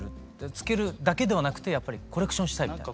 つけるだけではなくてやっぱりコレクションしたいみたいな？